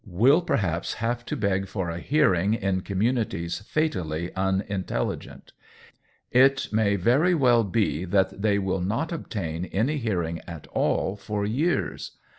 will perhaps have to beg for a hearing in com munities fatally unintelligent. It may very well be that they will not obtain any hear ing at all for years.